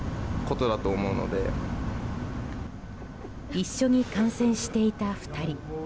一緒に観戦していた２人。